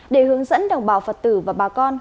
để hướng dẫn đồng bào phật tử và bà con